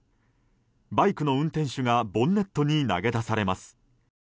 バイクの運転手がボンネットに投げ出されます。